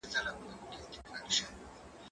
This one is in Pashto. هغه وويل چي واښه مهمه ده؟